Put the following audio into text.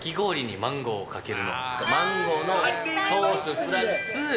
マンゴーのソースプラス